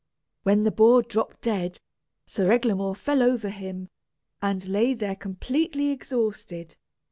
When the boar dropped dead, Sir Eglamour fell over him, and lay there completely exhausted.